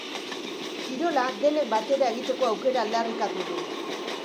Kirola denek batera egiteko aukera aldarrikatu du.